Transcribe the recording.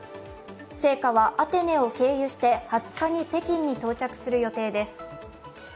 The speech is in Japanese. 聖火はアテネを経由して２０日に北京に到着する予定です。